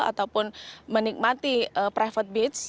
ataupun menikmati private beach